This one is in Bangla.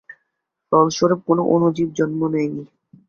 ফলস্বরূপ কোন অণুজীব জন্ম নেয় নি।